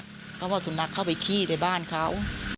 เขาบอกอาจทำให้สุนัขเข้าไปขี้หติในบ้านเขา